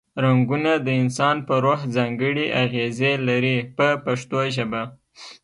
رنګونه د انسان په روح ځانګړې اغیزې لري په پښتو ژبه.